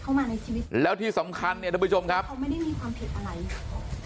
เข้ามาในชีวิตแล้วที่สำคัญเนี่ยทุกผู้ชมครับเขาไม่ได้มีความผิดอะไรค่ะ